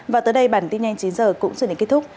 và tới đây bản tin nhanh chín giờ cũng xuất hiện kết thúc